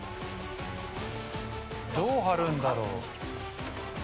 どう貼るんだろう？